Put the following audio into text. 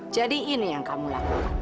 jadi ini yang kamu lakukan